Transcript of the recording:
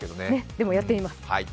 でもやってみます。